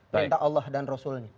tentang allah dan rasul